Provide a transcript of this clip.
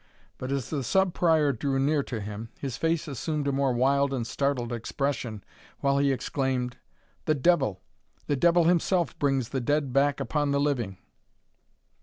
But as the Sub Prior drew near to him, his face assumed a more wild and startled expression, while he exclaimed "The devil! the devil himself, brings the dead back upon the living."